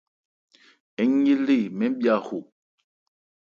Ń ye lé mɛ́n bhya ho.